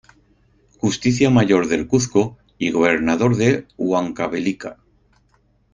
Justicia mayor del Cuzco y gobernador de Huancavelica.